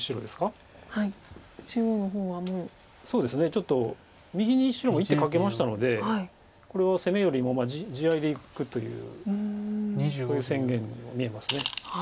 ちょっと右に白も１手かけましたのでこれは攻めよりも地合いでいくというそういう宣言にも見えます。